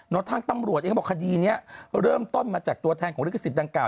ทางตำรวจเองก็บอกคดีนี้เริ่มต้นมาจากตัวแทนของลิขสิทธิดังกล่า